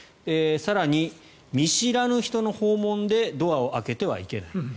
更に、見知らぬ人の訪問でドアを開けてはいけない。